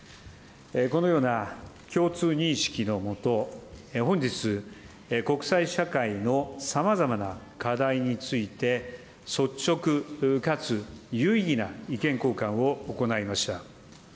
このような共通認識のもと、本日、国際社会のさまざまな課題について、率直かつ有意義な意見交換を行いました。